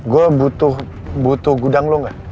gue butuh butuh gudang lo enggak